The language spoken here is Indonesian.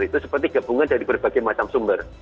itu seperti gabungan dari berbagai macam sumber